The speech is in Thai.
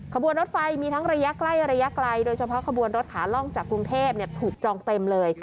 ขบวนรถไฟมีทั้งระยะใกล้ระยะไกลโดยเฉพาะขบวนรถขาล่องจากกรุงเทพถูกจองเต็มเลย